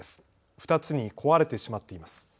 ２つに壊れてしまっています。